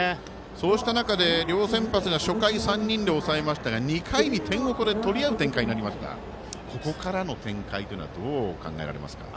そうした中で両先発が初回３人で抑えましたが２回に点を奪う展開になりましたがここからの展開というのはどう考えられますか？